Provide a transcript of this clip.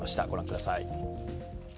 ご覧ください。